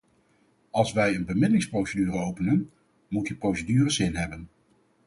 Als wij een bemiddelingsprocedure openen, moet die procedure zin hebben.